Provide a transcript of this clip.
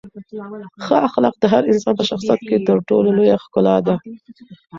ښه اخلاق د هر انسان په شخصیت کې تر ټولو لویه ښکلا ده.